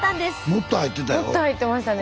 もっと入ってましたね。